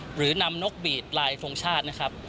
หรือนำนกบีดลายทรงชาตินะครับ